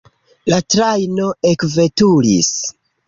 La trajno ekveturis.